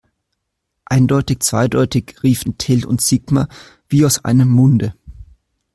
Eindeutig zweideutig, riefen Till und Sigmar wie aus einem Munde.